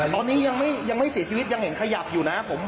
ตอนนี้ยังไม่เสียชีวิตยังเห็นขยับอยู่นะ